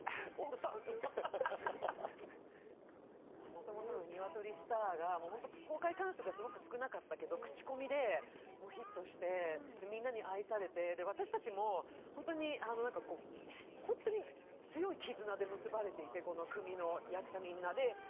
もともとの「ニワトリ★スター」が公開館数がすごく少なかったけど口コミでヒットして、みんなに愛されて、私たちもホントに強い絆で結ばれていて、この組の役者みんなで。